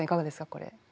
これ。